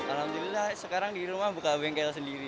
alhamdulillah sekarang di rumah buka bengkel sendiri